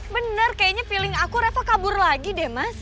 bener kayaknya feeling aku reva kabur lagi deh mas